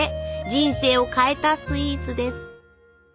人生を変えたスイーツです。